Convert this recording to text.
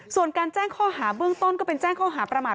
ส่วนการแจ้งข้อหาเบื้องต้นก็เป็นแจ้งข้อหาประมาท